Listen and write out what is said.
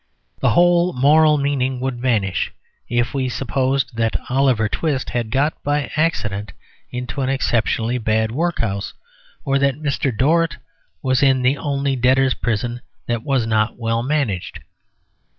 The whole moral meaning would vanish if we supposed that Oliver Twist had got by accident into an exceptionally bad workhouse, or that Mr. Dorrit was in the only debtors' prison that was not well managed.